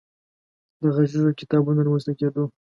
د غږیزو کتابونو رامنځ ته کېدو